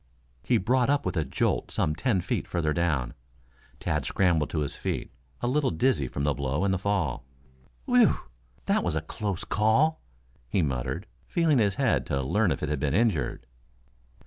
He brought up with a jolt some ten feet further down. Tad scrambled to his feet a little dizzy from the blow and the fall. "Whew! That was a close call," he muttered, feeling his head to learn if it had been injured.